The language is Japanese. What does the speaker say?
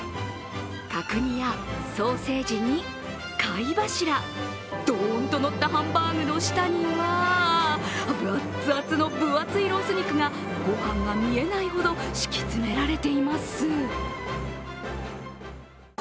角煮やソーセージに貝柱、どーんとのったハンバーグの下にはアッツアツの分厚いロース肉がご飯が見えないほど敷き詰められています。